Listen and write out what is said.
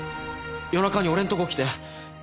夜中に俺んとこ来て。